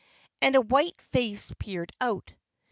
And a white face peered out.